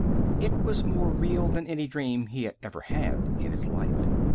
It was more real than any dream he had ever had in his life.